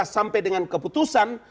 sampai dengan keputusan